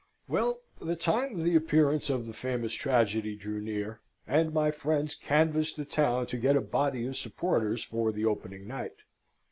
Well, the time of the appearance of the famous tragedy drew near, and my friends canvassed the town to get a body of supporters for the opening night.